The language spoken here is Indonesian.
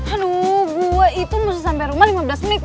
aduh gue itu masih sampai rumah lima belas menit